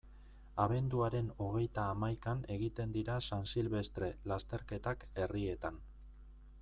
Abenduaren hogeita hamaikan egiten dira San Silvestre lasterketak herrietan.